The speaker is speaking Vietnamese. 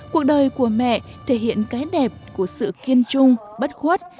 cuộc đời của mẹ thể hiện cái đẹp của sự kiên trung bất khuất